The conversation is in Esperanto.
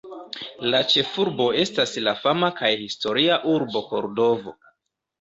La ĉefurbo estas la fama kaj historia urbo Kordovo.